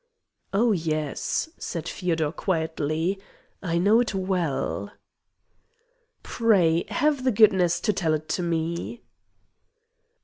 "Oh yes," said Feodor quietly, "I know it well." "Pray have the goodness to tell it me."